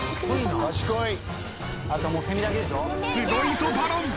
すごいぞバロン。